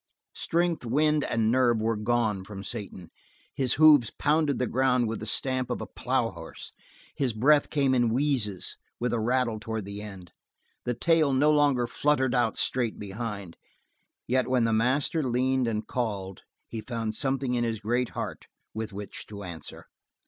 Strength, wind and nerve were gone from Satan; his hoofs pounded the ground with the stamp of a plowhorse; his breath came in wheezes with a rattle toward the end; the tail no longer fluttered out straight behind. Yet when the master leaned and called he found something in his great heart with which to answer.